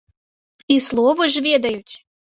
І словы ж ведаюць!